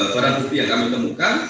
barang bukti yang kami temukan